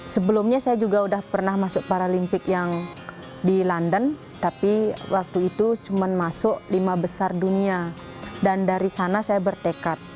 sebelumnya saya juga sudah pernah masuk paralimpik yang di london tapi waktu itu cuma masuk lima besar dunia dan dari sana saya bertekad